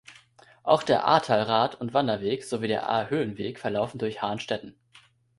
Auch der Aartal-Rad- und Wanderweg sowie der "Aar-Höhenweg" verlaufen durch Hahnstätten.